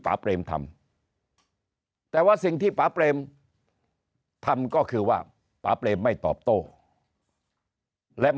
เปรมทำแต่ว่าสิ่งที่ป่าเปรมทำก็คือว่าป่าเปรมไม่ตอบโต้และ